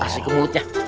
kasih ke mulutnya